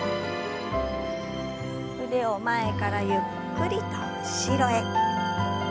腕を前からゆっくりと後ろへ。